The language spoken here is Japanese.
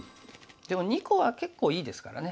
でも２個は結構いいですからね。